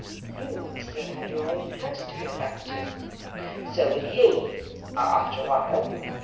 "You would still have your own house to go back to." "So will he, after a while.